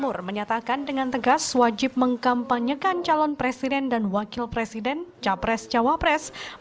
untuk pilpres dua ribu sembilan belas